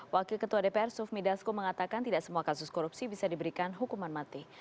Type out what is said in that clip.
wakil ketua dpr sufmi dasko mengatakan tidak semua kasus korupsi bisa diberikan hukuman mati